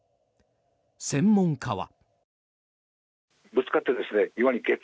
専門家は。